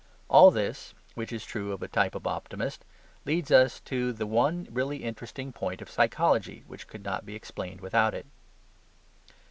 All this (which is true of a type of optimist) leads us to the one really interesting point of psychology, which could not be explained without it.